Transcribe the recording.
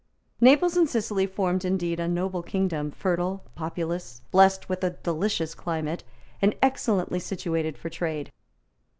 Naples and Sicily formed indeed a noble kingdom, fertile, populous, blessed with a delicious climate, and excellently situated for trade.